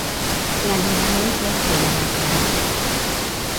La Luna es la estrella más grande.